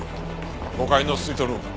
５階のスイートルームだ。